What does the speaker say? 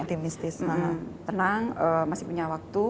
tenang masih punya waktu